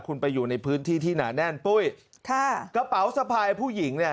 คุณไปอยู่ในพื้นที่ที่หนาแน่นปุ้ยค่ะกระเป๋าสะพายผู้หญิงเนี่ย